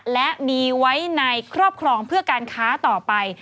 และมีไว้ในครอบครองเพื่อการค้าต่อไป